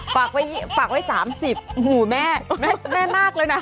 ฝากไว้ฝากไว้สามสิบอื้อหูแม่แม่แม่มากเลยนะ